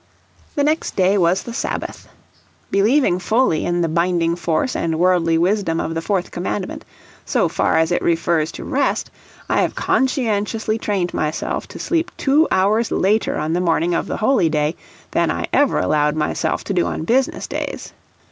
The next day was the Sabbath. Believing fully in the binding force and worldly wisdom of the Fourth Commandment, so far as it refers to rest, I have conscientiously trained myself to sleep two hours later on the morning of the holy day than I ever allowed myself to do on business days.